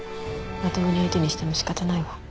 まともに相手にしても仕方ないわ。